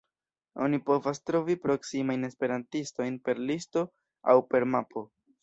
Oni povas trovi proksimajn esperantistojn per listo aŭ per mapo.